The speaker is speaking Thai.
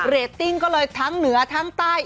เรตติ้งก็เลยทั้งเหนือทั้งใต้